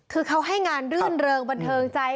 คือเขาให้งานรื่นเริงบันเทิงใจ